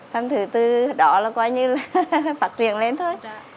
thế từ đó là coi như là phát triển lên thôi